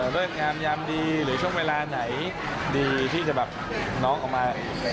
เลิกงามยามดีหรือช่วงเวลาไหนดีที่จะแบบน้องออกมา